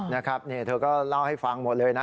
นะครับนี่เธอก็เล่าให้ฟังหมดเลยนะ